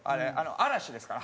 嵐ですから！